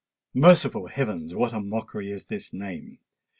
Merciful Heavens! what a mockery is this name!